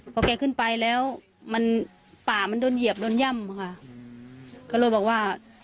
เพราะแก่ขึ้นไปแล้วมันปลามันโดนเหยียบโดนย่ำอ่ะค่ะ